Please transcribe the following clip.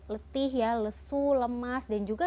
letih ya lesu lemas dan juga